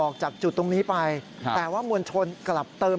คุณภูริพัฒน์บุญนิน